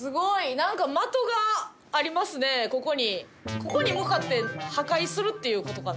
ここに向かって破壊するっていう事かな？